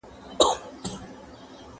¬ اصيله ځان دي کچه کی، چي کميس دي الچه کی.